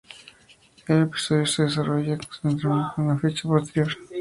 El episodio se desarrolla, contrariamente, en una fecha posterior.